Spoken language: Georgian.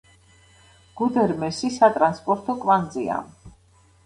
გუდერმესი სატრანსპორტო კვანძია.